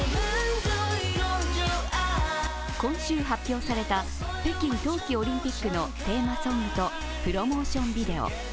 今週発表された北京冬季オリンピックのテーマソングとプロモーションビデオ。